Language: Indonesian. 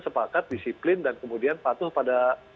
sepakat disiplin dan kemudian patuh pada